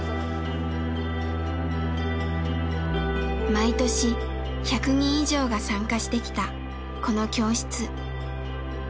毎年１００人以上が参加してきたこの教室。